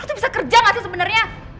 lu tuh bisa kerja gak sih sebenernya